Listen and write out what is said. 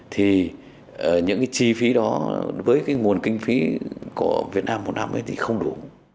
thì những chi phí đó với nguồn kinh phí của việt nam một năm thì không đủ